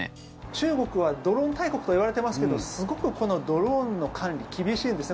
中国はドローン大国といわれていますけどすごく、ドローンの管理厳しいんです。